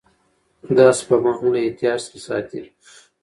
دا سپما مو له احتیاج څخه ساتي.